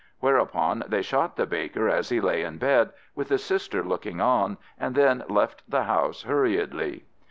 Whereupon they shot the baker as he lay in bed, with the sister looking on, and then left the house hurriedly.